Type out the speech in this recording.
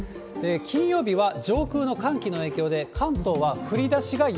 金曜日は、上空の寒気の影響で、関東は降りだしが雪。